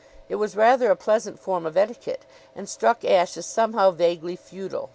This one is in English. It was rather a pleasant form of etiquette, and struck Ashe as somehow vaguely feudal.